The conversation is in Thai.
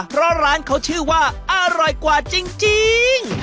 เพราะร้านเขาชื่อว่าอร่อยกว่าจริง